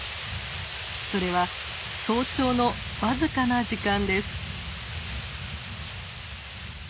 それは早朝の僅かな時間です。